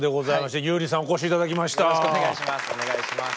よろしくお願いします。